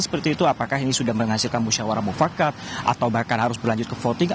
seperti itu apakah ini sudah menghasilkan musyawarah mufakat atau bahkan harus berlanjut ke voting